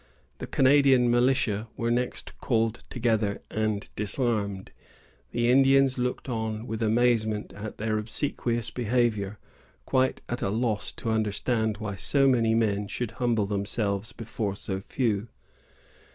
The Canadian militia were next called together and disarmed. The Indians looked on with amazement at their obsequious behavior, quite at a loss to understand why so many men should humble themselves before so few.